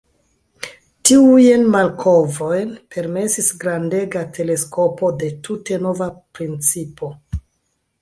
Tiujn malkovrojn permesis grandega teleskopo de tute nova principo.